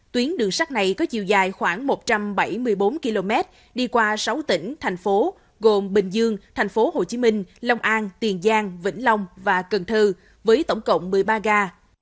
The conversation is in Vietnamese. tuyến đường sắt này có chiều dài khoảng một trăm bảy mươi bốn km đi qua sáu tỉnh thành phố gồm bình dương thành phố hồ chí minh long an tiền giang vĩnh long và cần thơ với tổng cộng một mươi ba ga